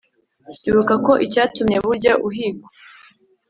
ibuka ko icyatumye burya uhigwa